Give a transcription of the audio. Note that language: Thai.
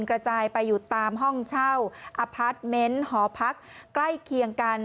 กระจายไปอยู่ตามห้องเช่าอพาร์ทเมนต์หอพักใกล้เคียงกัน